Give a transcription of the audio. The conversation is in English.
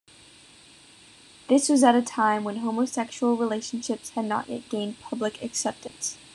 This was at a time when homosexual relationships had not yet gained public acceptance.